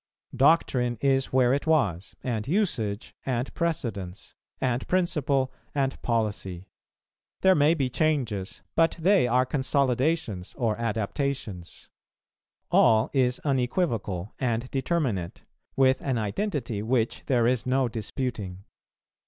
Doctrine is where it was, and usage, and precedence, and principle, and policy; there may be changes, but they are consolidations or adaptations; all is unequivocal and determinate, with an identity which there is no disputing.